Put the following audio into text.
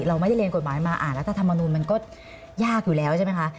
เราไม่ได้เรียนกฎหมายมาอ่านรัฐธรรมนูลมันก็ยากอยู่แล้วใช่ไหมคะ